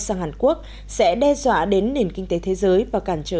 sang hàn quốc sẽ đe dọa đến nền kinh tế thế giới và cản trở